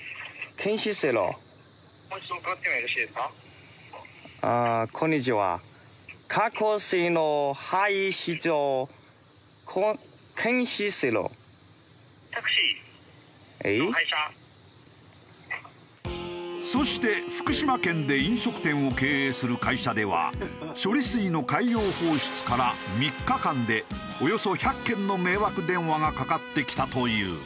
更に「こんにちは」そして福島県で飲食店を経営する会社では処理水の海洋放出から３日間でおよそ１００件の迷惑電話がかかってきたという。